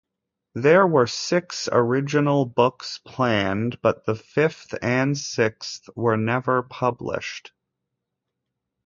There were six original books planned, but the fifth and sixth were never published.